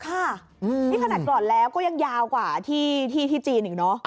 ค่ะนี่ขนาดก่อนแล้วก็ยังยาวกว่าที่จีนอีกเนอะ